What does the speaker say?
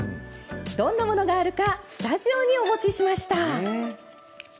どんなものがあるかスタジオにお持ちしました。